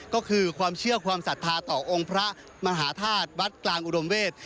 ก็คือความเชื่อความศรัทธาต่อองค์พระมหาธาตุวัดกลางอุดมเวศ